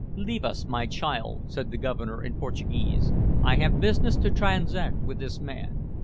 "Leave us, my child," said the Governor, in Portuguese; "I have business to transact with this man."